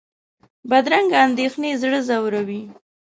بدرنګه اندېښنې زړه ځوروي